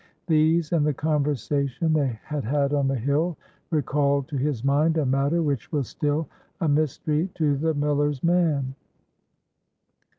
These, and the conversation they had had on the hill, recalled to his mind a matter which was still a mystery to the miller's man.